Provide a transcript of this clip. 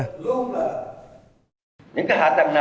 thủ tướng yêu cầu trên tỉnh